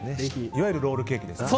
いわゆるロールケーキですね。